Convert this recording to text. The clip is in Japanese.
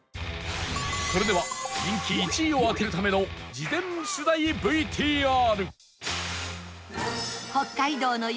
それでは人気１位を当てるための事前取材 ＶＴＲ北海道の